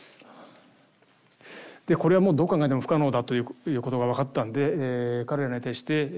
これはもうどう考えても不可能だということが分かったんで彼らに対して。